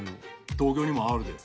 東京にもあるで。